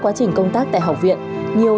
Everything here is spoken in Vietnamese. quá trình công tác tại học viện nhiều